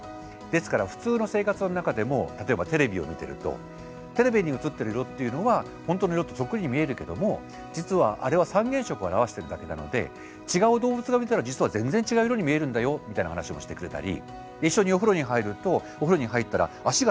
ですから普通の生活の中でも例えばテレビを見てるとテレビに映っている色っていうのは本当の色とそっくりに見えるけども実はあれは三原色を表してるだけなので違う動物が見たら実は全然違う色に見えるんだよみたいな話もしてくれたり一緒にお風呂に入るとお風呂に入ったら脚が短く見えるじゃないですか。